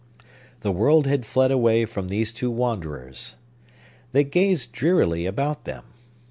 The world had fled away from these two wanderers. They gazed drearily about them.